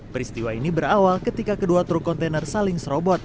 peristiwa ini berawal ketika kedua truk kontainer saling serobot